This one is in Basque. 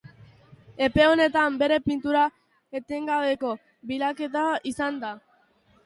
Epe honetan bere pintura etengabeko bilaketa izan da.